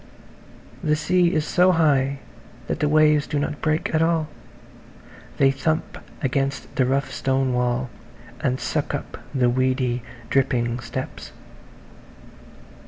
The sea is so high that the waves do not break at all; they thump against the rough stone wall and suck up the weedy, [Page 143] dripping steps.